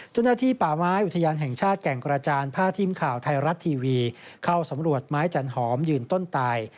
เจ้าหน้าที่ป่าไม้อุทยานแห่งชาติแก่งกระจานพาทีมข่าวไทยรัฐทีวีเข้าสำรวจไม้จันหอมยืนต้นตาย